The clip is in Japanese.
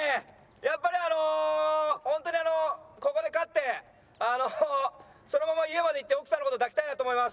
やっぱりあのホントにここで勝ってあのそのまま家まで行って奥さんの事抱きたいなと思います。